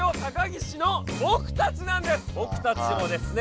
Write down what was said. ぼくたちもですね